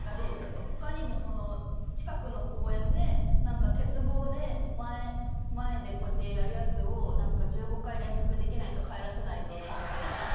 ほかにも、近くの公園で、なんか、鉄棒で前で、こうやってやるやつを、なんか１５回連続できないと帰らせないぞって言われて。